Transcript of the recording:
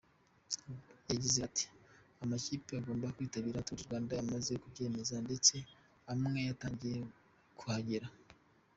Yagize ati “Amakipe agomba kwitabira Tour du Rwanda yamaze kubyemeza ndetse amwe yatangiye kuhagera.